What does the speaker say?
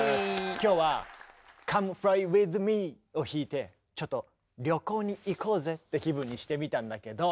今日は「ＣｏｍｅＦｌｙＷｉｔｈＭｅ」を弾いてちょっと旅行に行こうぜって気分にしてみたんだけど。